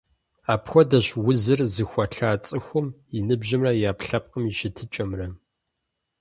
Апхуэдэщ узыр зыхуэлъа цӀыхум и ныбжьымрэ и Ӏэпкълъэпкъым и щытыкӀэмрэ.